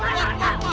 tak lagi mereka